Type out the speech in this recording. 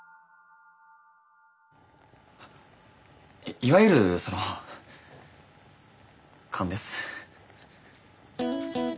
いわゆるその勘です。